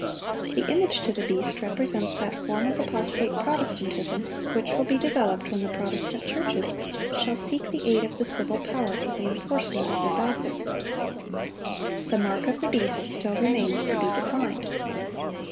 The "image to the beast" represents that form of apostate Protestantism which will be developed when the Protestant churches shall seek the aid of the civil power for the enforcement of their dogmas. The "mark of the beast" still remains to be defined.